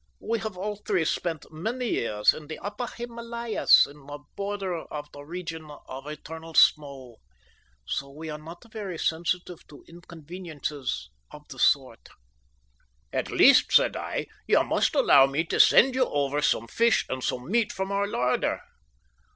We have all three spent many years in the Upper Himalayas on the border of the region of eternal snow, so we are not very sensitive to inconveniences of the sort." "At least," said I, "you must allow me to send you over some fish and some meat from our larder."